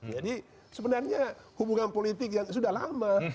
jadi sebenarnya hubungan politik yang sudah lama